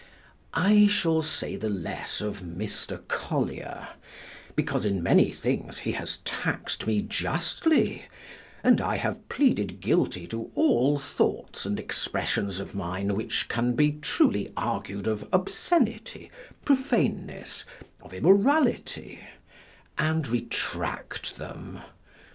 I shall say the less of Mr. Collier, because in many things he has tax'd me justly; and I have pleaded guilty to all thoughts and expressions of mine which can be truly argued of obscenity, profaneness, of immorality; and retract them.